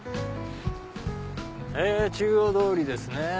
中央通りですね。